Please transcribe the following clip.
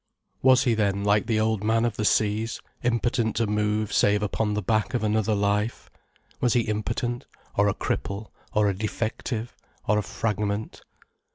Was he then like the old man of the seas, impotent to move save upon the back of another life? Was he impotent, or a cripple, or a defective, or a fragment?